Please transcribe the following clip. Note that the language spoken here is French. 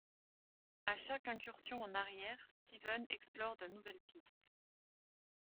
À chaque incursion en arrière, Stevens explore de nouvelles pistes.